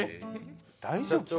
大丈夫か？